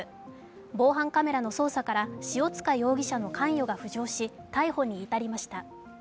防犯カメラの捜査から塩塚容疑者の関与が浮上し、逮捕に至りました。